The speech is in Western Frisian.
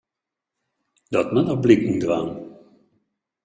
Dat moat noch bliken dwaan.